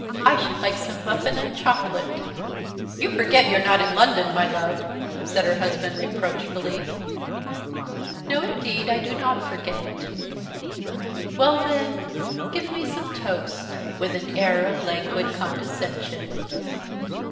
"I should like some muffin and chocolate." "You forget you are not in London, my love," said her husband reproachfully. "No indeed, I do not forget it. Well then, give me some toast," with an air of languid condescension.